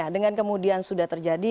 dengan kemudian sudah terjadi